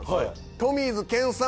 トミーズ健やん！